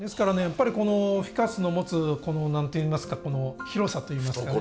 やっぱりこのフィカスの持つ何といいますかこの広さといいますか。